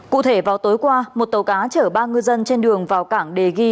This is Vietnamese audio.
cụ thể vào tối qua một tàu cá chở ba ngư dân trên đường vào cảng đề ghi